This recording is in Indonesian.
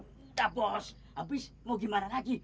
udah bos abis mau gimana lagi